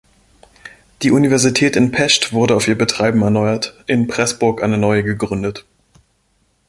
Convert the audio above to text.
Die Universität in Pest wurde auf ihr Betreiben erneuert, in Pressburg eine neue gegründet.